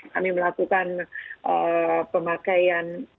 kami melakukan pemakaian